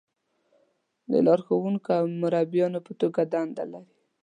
د لارښونکو او مربیانو په توګه دنده لري.